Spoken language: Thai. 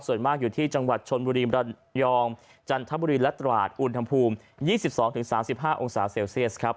ส่วนมากอยู่ที่จังหวัดชนบุรีมรยองจันทบุรีและตราดอุณหภูมิ๒๒๓๕องศาเซลเซียสครับ